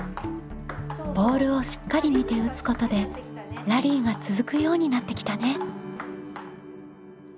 ボールをしっかり見て打つことでラリーが続くようになってきたね。